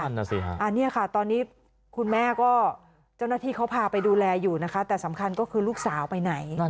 นั่นน่ะสิฮะอันนี้ค่ะตอนนี้คุณแม่ก็เจ้าหน้าที่เขาพาไปดูแลอยู่นะคะแต่สำคัญก็คือลูกสาวไปไหน